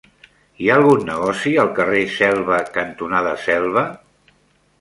Hi ha algun negoci al carrer Selva cantonada Selva?